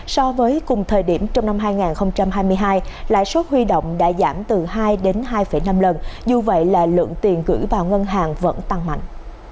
so với cùng thời điểm trong năm hai nghìn hai mươi hai lãi suất huy động đã giảm từ hai đến hai năm lần dù vậy là lượng tiền gửi vào ngân hàng vẫn tăng mạnh